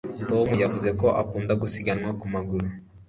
tom yavuze ko akunda gusiganwa ku maguru